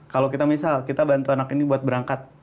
kalau kita misal kita bantu anak ini buat berangkat